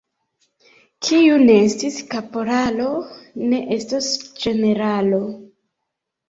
Kiu ne estis kaporalo, ne estos generalo.